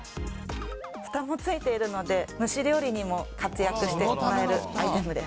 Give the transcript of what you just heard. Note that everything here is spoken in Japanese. ふたもついているので、蒸し料理にも活躍してもらえるアイテムです。